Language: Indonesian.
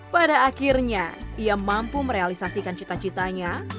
pada akhirnya ia mampu merealisasikan cita citanya